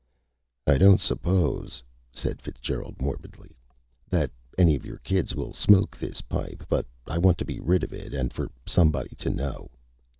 "I don't suppose," said Fitzgerald morbidly, "that any of your kids will smoke this pipe, but I want to be rid of it and for somebody to know."